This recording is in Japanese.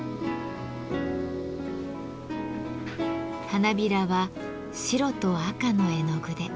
花びらは白と赤の絵の具で。